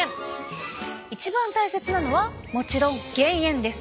一番大切なのはもちろん減塩です。